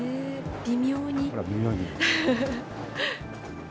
微妙に。